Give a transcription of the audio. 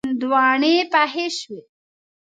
هندواڼی پخې شوې.